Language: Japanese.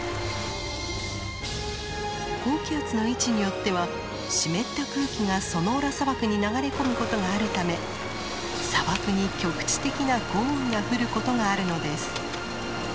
高気圧の位置によっては湿った空気がソノーラ砂漠に流れ込むことがあるため砂漠に局地的な豪雨が降ることがあるのです。